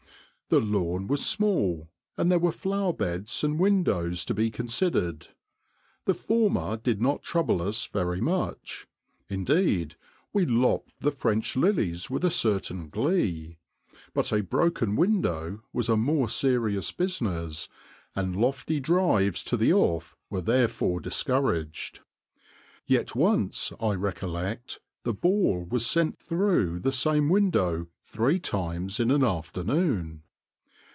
The lawn was small, and there were flower beds and windows to be considered, The former did not trouble us very much ; indeed, we lopped the French lilies with a certain glee, but a broken window was a more serious business, and lofty drives to the off were therefore dis couraged. Yet once, I recollect, the ball was sent through the same window three times in an afternoon.